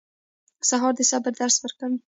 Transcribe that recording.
سهار د صبر درس ورکوي.